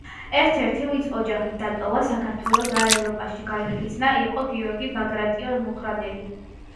ერთ-ერთი, ვინც ოჯახით დატოვა საქართველო და ევროპაში გაიხიზნა, იყო გიორგი ბაგრატიონ-მუხრანელი.